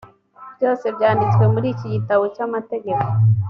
byose byanditse muri iki gitabo cy’amategeko.